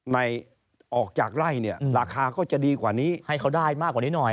ในออกจากไล่แหน่งหาไม่กว่านี้ให้เขาได้มากกว่านิ้วหน่อย